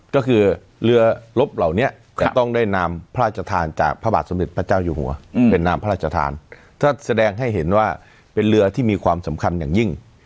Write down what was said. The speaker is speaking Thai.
ก็คือเรือลบเหล่านี้จะต้องได้นามพระราชทานจากพระบาทสมเด็จพระเจ้าอยู่หัวเป็นนามพระราชทานถ้าแสดงให้เห็นว่าเป็นเรือที่มีความสำคัญอย่างยิ่ง